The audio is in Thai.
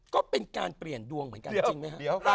ก็เป็นการเปลี่ยนดวงเหมือนกันจริงไหมครับ